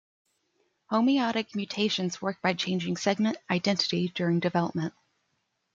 Homeotic mutations work by changing segment identity during development.